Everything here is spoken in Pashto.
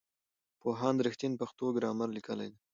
پوهاند رښتین پښتو ګرامر لیکلی دی.